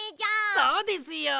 そうですよ。